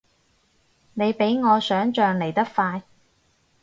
你比我想像嚟得快